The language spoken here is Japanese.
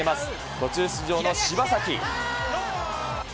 途中出場の柴崎。